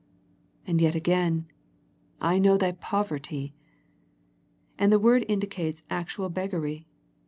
And yet again, " I know thy poverty." And the word indicates actual beggary.